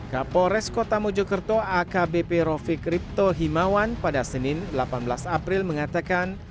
kapolres kota mojokerto akbp rofik kripto himawan pada senin delapan belas april mengatakan